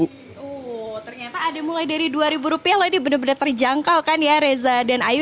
ternyata ada mulai dari rp dua ini benar benar terjangkau kan ya reza dan ayu